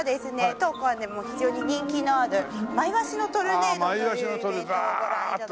当館でも非常に人気のあるマイワシのトルネードというイベントをご覧頂こうと。